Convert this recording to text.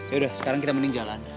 yaudah sekarang kita mending jalan